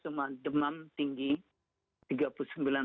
sebenarnya tanda dari covid sembilan belas adalah ketika orang terberlut